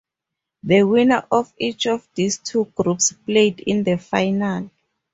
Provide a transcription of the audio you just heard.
The winner of each of these two groups played in the final.